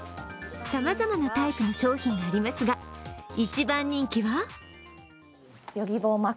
さまざまなタイプの商品がありますが、一番人気は？